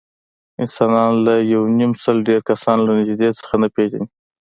انسانان له یونیمسل ډېر کسان له نږدې څخه نه پېژني.